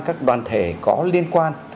các đoàn thể có liên quan